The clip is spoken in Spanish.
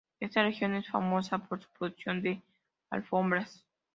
Esta región es famosa por su producción de alfombras.